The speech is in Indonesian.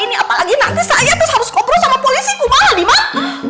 ini apaan lagi nanti saya terus harus ngobrol sama polisi kumahal diman